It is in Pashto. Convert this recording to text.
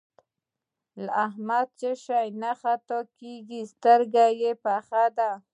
له احمده څه شی نه خطا کېږي؛ سترګه يې پخه ده.